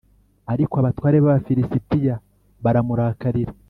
Ariko abatware b Abafilisitiya baramurakarira